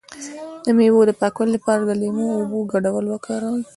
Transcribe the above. د میوو د پاکوالي لپاره د لیمو او اوبو ګډول وکاروئ